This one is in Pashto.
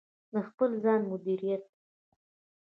د خپل ځان مدیریت: